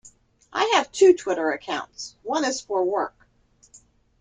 I have two Twitter accounts, one is for work.